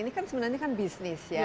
ini kan sebenarnya kan bisnis ya